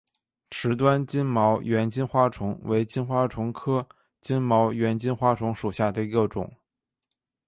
池端金毛猿金花虫为金花虫科金毛猿金花虫属下的一个种。